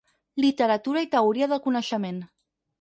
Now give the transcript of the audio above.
Literatura i teoria del coneixement.